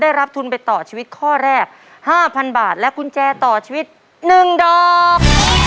ได้รับทุนไปต่อชีวิตข้อแรก๕๐๐๐บาทและกุญแจต่อชีวิต๑ดอก